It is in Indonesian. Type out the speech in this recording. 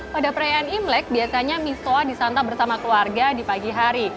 pada perayaan imlek biasanya misoa ⁇ disantap bersama keluarga di pagi hari